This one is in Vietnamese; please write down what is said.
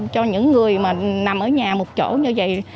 cho những người mà nằm ở nhà một chỗ như vậy